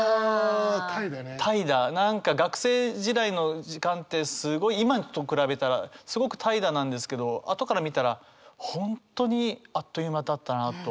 何か学生時代の時間ってすごい今と比べたらすごく怠惰なんですけど後から見たら本当にあっという間だったなと。